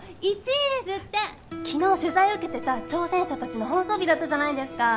１位ですって昨日取材受けてた「挑戦者たち」の放送日だったじゃないですか